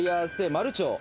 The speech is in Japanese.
マルチョウ。